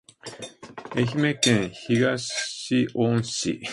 愛媛県東温市